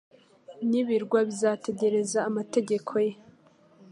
n’ibirwa bizategereza amategeko ye